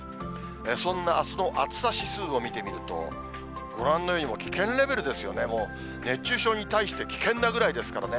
そんなあすの暑さ指数を見てみると、ご覧のように危険レベルですよね、もう熱中症に対して、危険なぐらいですからね。